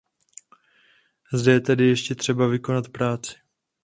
Zde je tedy ještě třeba vykonat práci.